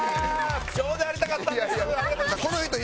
ちょうどやりたかったんです。